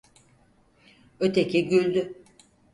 Öteki güldü: